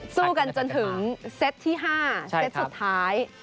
สู้กันจนถึงเซตที่๕เซตสุดท้าย